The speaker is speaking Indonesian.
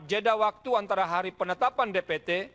jeda waktu antara hari penetapan dpt